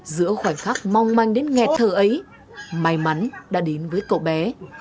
giữa khoảnh khắc mong manh đến nghẹt thở ấy may mắn đã đến với cậu bé